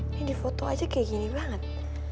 ini di foto aja kayak gini banget